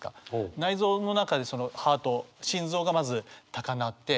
内臓の中でそのハート心臓がまず高鳴って。